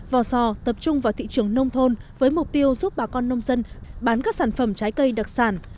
vò sò tập trung vào thị trường nông thôn với mục tiêu giúp bà con nông dân bán các sản phẩm trái cây đặc sản